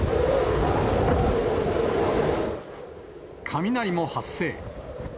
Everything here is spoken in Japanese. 雷も発生。